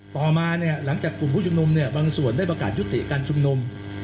ต่อมาเนี่ยหลังจากกลุ่มผู้ชุมนุมเนี่ยบางส่วนได้ประกาศยุติการชุมนุม